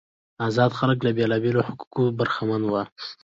آزاد خلک له بیلابیلو حقوقو برخمن وو.